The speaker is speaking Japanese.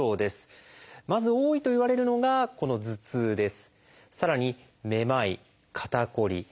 まず多いといわれるのがこの「頭痛」です。